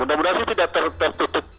mudah mudahan sih tidak tertutup